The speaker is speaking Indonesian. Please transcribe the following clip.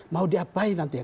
mau diapain nanti ya